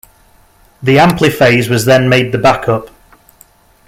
The Ampliphase was then made the back-up.